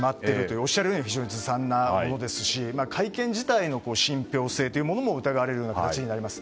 おっしゃるようにずさんなものですし会見自体の信ぴょう性も疑われる形になります。